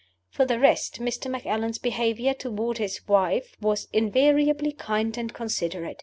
For the rest, Mr. Macallan's behavior toward his wife was invariably kind and considerate.